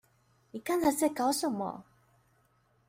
你剛才在搞什麼？